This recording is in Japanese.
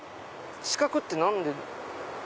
四角って何で？